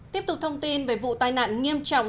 tiếp tục thông tin về vụ tai nạn nghiêm trọng